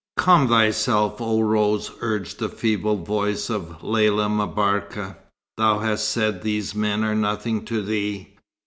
"Calm thyself, O Rose," urged the feeble voice of Lella M'Barka. "Thou hast said these men are nothing to thee."